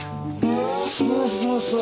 そうそうそう。